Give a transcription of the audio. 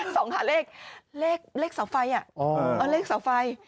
ส่องหาเลขเลขเสาไฟ